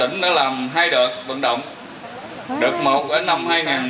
tỉnh đã làm hai đợt vận động đợt một ở năm hai nghìn một mươi chín hai nghìn hai mươi